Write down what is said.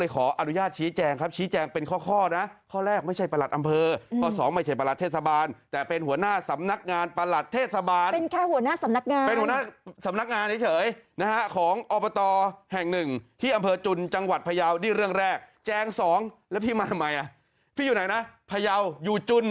ขออนุญาตชี้แจงครับชี้แจงเป็นข้อนะข้อแรกไม่ใช่ประหลัดอำเภอข้อสองไม่ใช่ประหลัดเทศบาลแต่เป็นหัวหน้าสำนักงานประหลัดเทศบาลเป็นแค่หัวหน้าสำนักงานเป็นหัวหน้าสำนักงานเฉยนะฮะของอบตแห่งหนึ่งที่อำเภอจุนจังหวัดพยาวนี่เรื่องแรกแจงสองแล้วพี่มาทำไมอ่ะพี่อยู่ไหนนะพยาวอยู่จุน